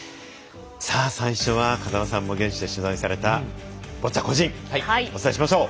最初は風間さんも取材されたボッチャ個人、お伝えします。